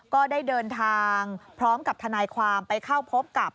ก็ได้เดินทางพร้อมกับทนายความไปเข้าพบกับ